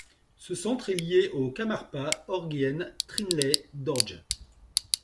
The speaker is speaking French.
Ce centre est lié au Karmapa, Orgyen Trinley Dorje.